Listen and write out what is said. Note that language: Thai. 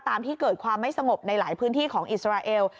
ที่เกิดความไม่สงบในหลายพื้นที่ของอิสราเอล